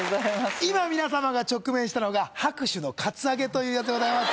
今皆様が直面したのが拍手のカツアゲというやつでございます